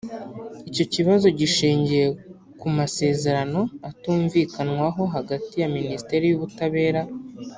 Icyo kibazo gishingiye ku masezerano atumvikanwaho hagati ya Ministeri y’Ubutabera